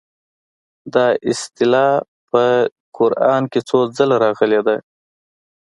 دا اصطلاح په قران کې څو ځایه راغلې ده.